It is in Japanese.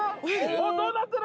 おっどうなってる？